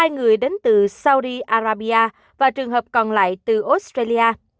hai người đến từ saudi arabia và trường hợp còn lại từ australia